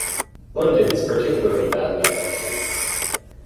London is particularly badly affected.